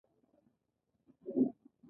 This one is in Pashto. پنځه فلاني کاله د نړۍ په شاوخوا وګرځېدم.